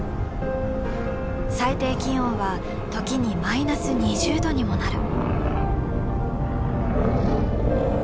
最低気温は時にマイナス２０度にもなる。